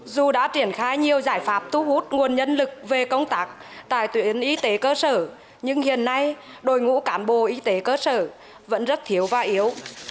dù đã triển khai nhiều giải pháp tu hút nguồn nhân lực về công tác tại tuyến y tế cơ sở nhưng hiện nay đội ngũ cán bộ y tế cơ sở vẫn rất thiếu và yếu